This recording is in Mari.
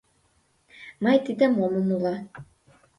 Мый тидым ом умыло.